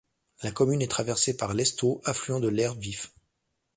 La commune est traversée par l'Estaut, affluent de l'Hers-Vif.